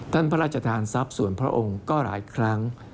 พระราชทานทรัพย์ส่วนพระองค์ก็หลายครั้ง